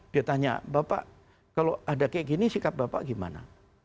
dia tanya bapak kalau ada kayak gini sikap bapak gimana